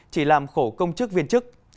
chỉ làm khổ công chức viên chức